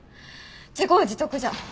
自業自得じゃ。